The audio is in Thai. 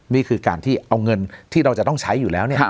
นี่คือการที่เอาเงินที่เราจะต้องใช้อยู่แล้ว